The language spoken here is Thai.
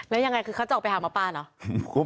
แล้วยังไงคือเขาจะออกไปหาหมอปลาเหรอ